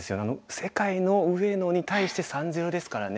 世界の上野に対して３−０ですからね。